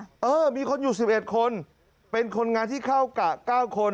เออมีคนอยู่๑๑คนเป็นคนงานที่เข้ากะ๙คน